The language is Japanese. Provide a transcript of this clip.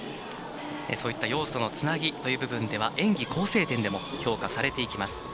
そういった要素のつなぎという部分では演技構成点でも評価されていきます。